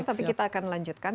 tapi kita akan melanjutkan